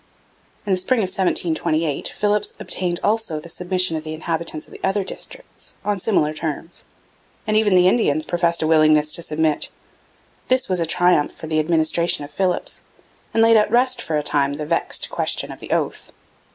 In the spring of 1728 Philipps obtained also the submission of the inhabitants of the other districts, on similar terms; and even the Indians professed a willingness to submit. This was a triumph for the administration of Philipps, and laid at rest for a time the vexed question of the oath.